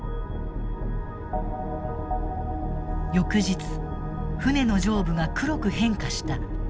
翌日船の上部が黒く変化した。